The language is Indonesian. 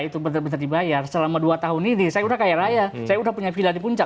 itu bener bener dibayar selama dua tahun ini saya udah kayak raya saya udah punya pilar di puncak